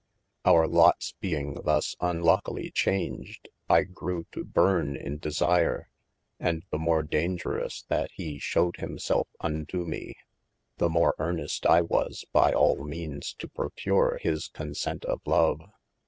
Our lottes being thus unluckely chaunged, I grewe to burne in desire, and the more daungerous that he shewed him selfe unto me, the more earnest I was by all meanes to procure his consent of love.